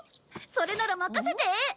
それなら任せて！